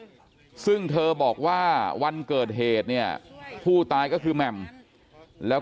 ซึ่งเธอบอกว่าวันเกิดเหตุเนี่ยผู้ตายก็คือแหม่มแล้ว